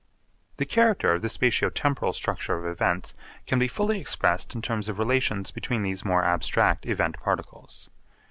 The character of the spatio temporal structure of events can be fully expressed in terms of relations between these more abstract event particles.